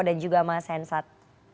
dan juga mas hensat